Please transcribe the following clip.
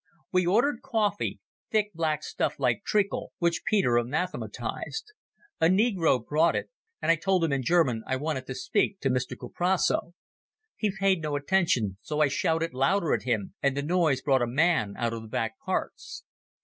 We ordered coffee, thick black stuff like treacle, which Peter anathematized. A negro brought it, and I told him in German I wanted to speak to Mr Kuprasso. He paid no attention, so I shouted louder at him, and the noise brought a man out of the back parts.